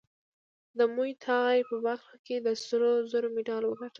د موی تای په برخه کې د سرو زرو مډال وګاټه